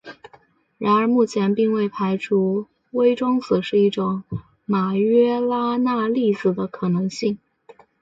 然而目前并未排除微中子是一种马约拉纳粒子的可能性。